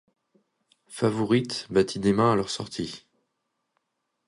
Favourite battit des mains à leur sortie.